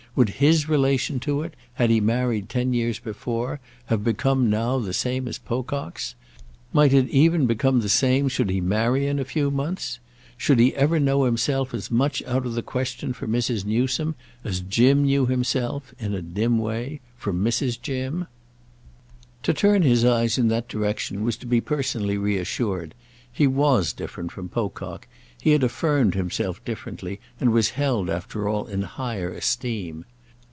Would his relation to it, had he married ten years before, have become now the same as Pocock's? Might it even become the same should he marry in a few months? Should he ever know himself as much out of the question for Mrs. Newsome as Jim knew himself—in a dim way—for Mrs. Jim? To turn his eyes in that direction was to be personally reassured; he was different from Pocock; he had affirmed himself differently and was held after all in higher esteem.